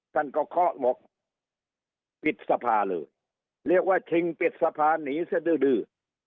ท่านก็เคาะหมดปิดสภาเลยเรียกว่าชิงปิดสะพานหนีซะดื้อดื้อ